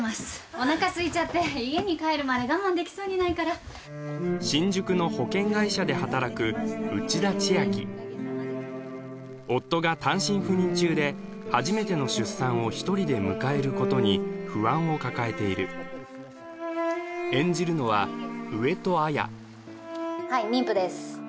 おなかすいちゃって家に帰るまで我慢できそうにないから新宿の保険会社で働く内田千秋夫が単身赴任中で初めての出産を一人で迎えることに不安を抱えている演じるのは上戸彩はい妊婦です